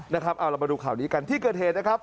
นะครับเอาเรามาดูข่าวนี้กันที่เกิดเหตุนะครับ